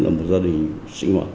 là một gia đình sinh hoạt